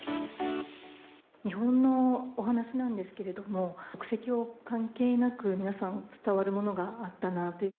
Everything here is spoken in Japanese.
日本のお話なんですけれども、国籍を関係なく、皆さんに伝わるものがあったなぁという。